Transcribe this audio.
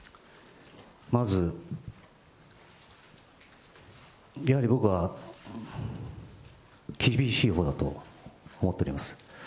まずやはり僕は、厳しいほうだと思っております。